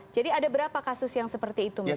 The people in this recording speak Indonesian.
jadi ada berapa kasus yang seperti itu misalnya